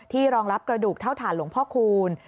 ที่รองรับกระดูกเถ้าภาคทางหลวงพ่อคูณ